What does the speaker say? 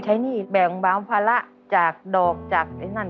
ใช้หนี้แบบบางภาระจากดอกจากไอ้นั่น